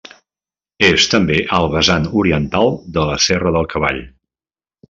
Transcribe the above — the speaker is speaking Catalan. És també el vessant oriental de la Serra del Cavall.